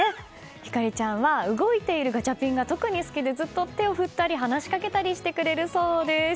ひかりちゃんは動いてるガチャピンが特に好きでずっと手を振ったり話しかけたりしてくれるそうです。